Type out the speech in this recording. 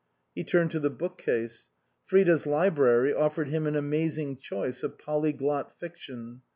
He turned to the bookcase. Frida's library offered him an amazing choice of polyglot fiction.